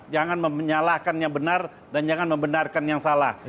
jangan menyalahkan yang benar dan jangan membenarkan yang salah